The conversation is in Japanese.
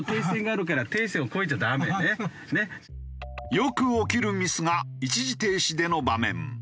よく起きるミスが一時停止での場面。